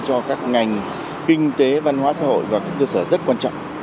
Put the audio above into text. cho các ngành kinh tế văn hóa xã hội và các cơ sở rất quan trọng